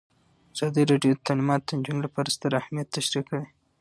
ازادي راډیو د تعلیمات د نجونو لپاره ستر اهميت تشریح کړی.